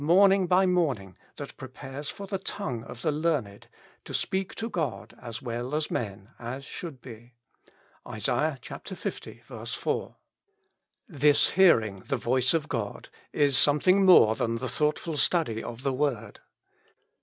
morning by morning, that prepares for the tongue of the learned, to speak to God as well as men, as should be (Isa. 1. 4). This hearing the voice of God is something more than the thoughtful study of the Word.